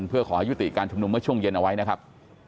เพื่อขอให้ยุติการชุมนุมเมื่อช่วงเย็นเอาไว้นะครับ